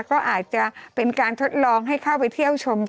ก็อาจจะเป็นการทดลองให้เข้าไปเที่ยวชม